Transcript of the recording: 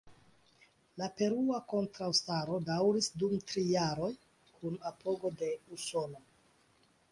La perua kontraŭstaro daŭris dum tri jaroj, kun apogo de Usono.